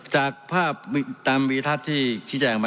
จากภาพตามวีทัศน์ที่ชี้แจงมา